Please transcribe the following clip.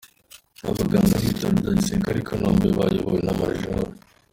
Abaganga b’Ibitaro bya Gisirikare i Kanombe, bayobowe na Maj.